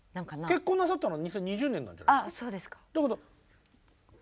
結婚なさったのは２０２０年なんじゃないですか。